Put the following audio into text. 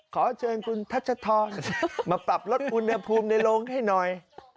ขอเชิญคุณทัชทองมาปรับลดอุณหภูมิในโรงให้หน่อย